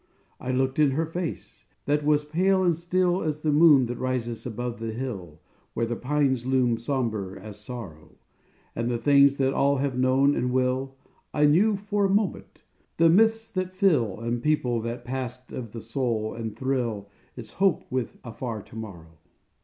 I looked in her face, that was pale and still As the moon that rises above the hill Where the pines loom sombre as sorrow: And the things that all have known and will, I knew for a moment the myths that fill And people the past of the soul and thrill Its hope with a far to morrow.